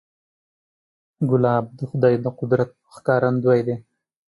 ګلاب د خدای د قدرت ښکارندوی دی.